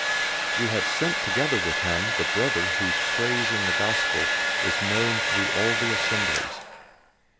008:018 We have sent together with him the brother whose praise in the Good News is known through all the assemblies.